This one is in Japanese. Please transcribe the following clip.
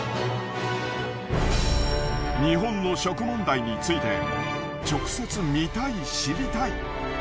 日本の食問題について直接見たい知りたい。